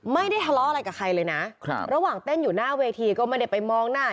ไม่ได้ทะเลาะอะไรกับใครเลยนะครับระหว่างเต้นอยู่หน้าเวทีก็ไม่ได้ไปมองหน้า